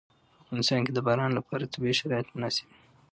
په افغانستان کې د باران لپاره طبیعي شرایط مناسب دي.